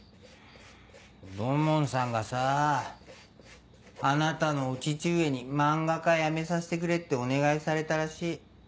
土門さんがさぁあなたのお父上に漫画家辞めさせてくれってお願いされたらしい。